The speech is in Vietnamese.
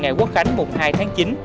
ngày quốc khánh một hai tháng chín